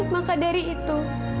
maka dari itu